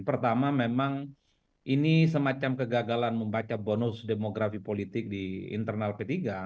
pertama memang ini semacam kegagalan membaca bonus demografi politik di internal p tiga